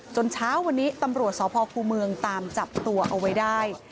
เช้าวันนี้ตำรวจสพครูเมืองตามจับตัวเอาไว้ได้